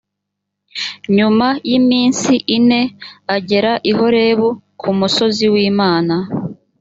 nyuma y’iminsi ine agera i horebu ku musozi w’imana